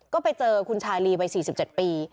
ก็ไปเจอคุณชาลีวัย๔๗ปี